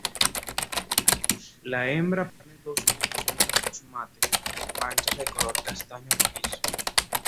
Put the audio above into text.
La hembra pone dos huevos blancos mate con manchas de color castaño rojizo.